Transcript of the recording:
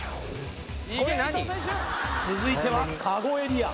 続いてはかごエリア